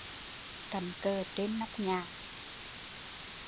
Cặm cờ trên nóc nhà